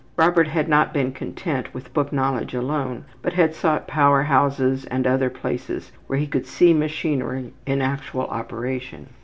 Robert had not been content with book knowledge alone, but had sought power houses and other places where he could see machinery in actual operation.